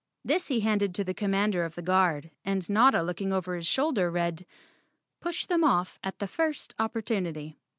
This he handed to the Commander of the Guard and Notta looking over his shoulder read, "Push them off at the first opportunity."